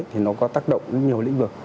thì nó có tác động nhiều lĩnh vực